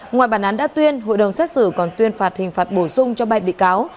ngoài bản án đã tuyên hội đồng xét xử còn tuyên phạt hình phạt bổ sung cho bài bị cáo